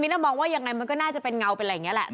มิน่าบอกว่ายังไงก็น่าจะเพลงเกาะ